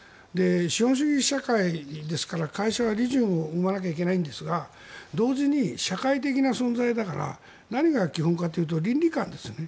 資本主義社会ですから会社は利潤を生まないといけないんですが同時に社会的な存在だから何が基本かというと倫理観ですよね。